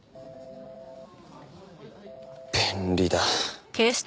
便利だ。